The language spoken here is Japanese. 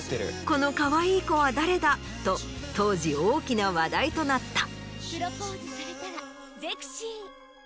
「このかわいい子は誰だ？」と当時大きな話題となった。